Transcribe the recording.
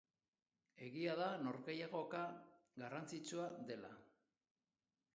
Egia da norgehiagoka garrantzitsua dela.